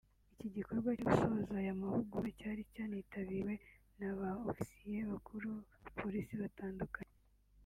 Iki gikorwa cyo gusoza aya mahugurwa cyari cyanitabiriwe na ba Ofisiye bakuru ba Polisi batandukanye